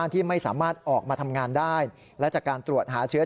ทำงานได้และจากการตรวจหาเชื้อ